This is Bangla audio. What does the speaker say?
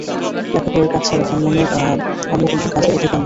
লেখাপড়ার কাজ ছাড়া ব্রহ্মণের অন্য কাজে অধিকার নাই।